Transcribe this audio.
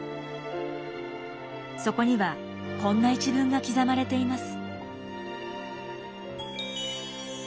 そこにはこんな一文が刻まれています。